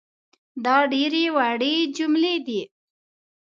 دا ډېرې وړې جملې دي